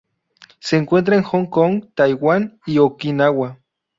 Se encuentra en Hong Kong, Taiwan y Okinawa.